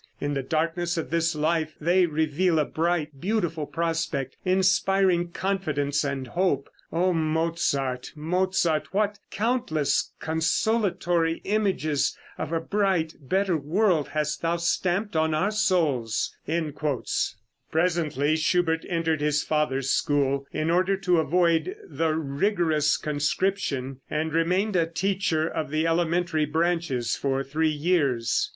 In the darkness of this life they reveal a bright, beautiful prospect, inspiring confidence and hope. Oh Mozart, Mozart, what countless consolatory images of a bright, better world hast thou stamped on our souls!" Presently Schubert entered his father's school, in order to avoid the rigorous conscription, and remained a teacher of the elementary branches for three years.